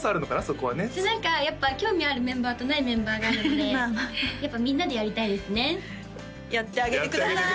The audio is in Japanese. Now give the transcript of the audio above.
そこはね何かやっぱ興味あるメンバーとないメンバーがいるのでやっぱみんなでやりたいですねやってあげてください